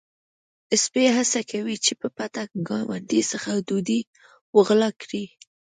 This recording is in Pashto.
سپی هڅه کوي چې په پټه د ګاونډي څخه ډوډۍ وغلا کړي.